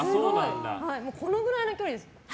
このくらいの距離です。